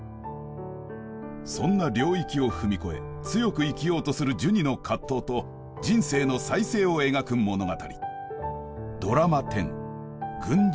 そんな領域を踏み越え強く生きようとするジュニの葛藤と人生の再生を描く物語。